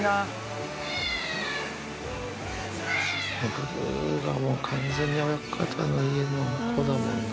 ブルーがもう完全に、親方の家の子だもんな。